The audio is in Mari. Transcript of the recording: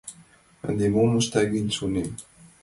«Ынде мом ышта гын?» — шонем.